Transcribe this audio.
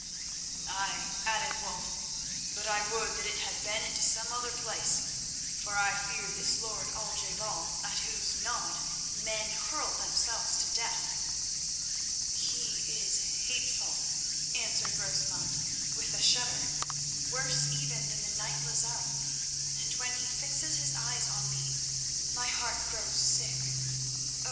"Ay," added Wulf, "but I would that it had been into some other place, for I fear this lord Al je bal at whose nod men hurl themselves to death." "He is hateful," answered Rosamund, with a shudder; "worse even than the knight Lozelle; and when he fixes his eyes on me, my heart grows sick. Oh!